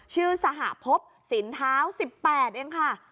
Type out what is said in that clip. ชื่อสหภพสินท้าว๑๘เองค่ะ